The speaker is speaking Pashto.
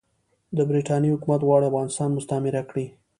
د برټانیې حکومت غواړي افغانستان مستعمره کړي.